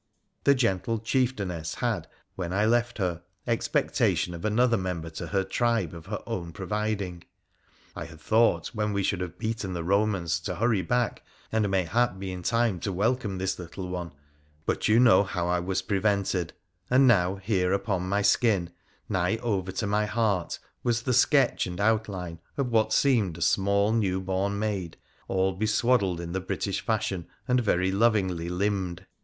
The gentle chieftainess had, when I left her, ex pectation of another member to her tribe of her own providing. I had thought when we should have beaten the Eomans to hurry back, and mayhap be in time to welcome this little one, but you know how I was prevented ; and now here upon my skin, nigh over to my heart, was the sketch and outline of what seemed a small new born maid, all be swaddled in the British fashion and very lovingly limned.